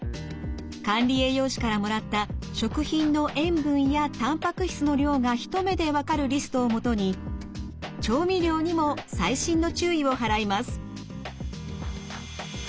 管理栄養士からもらった食品の塩分やたんぱく質の量が一目で分かるリストを基に調味料にも細心の注意を払います。